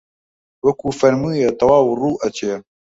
وەکوو فەرموویە تەواو ڕوو ئەچێ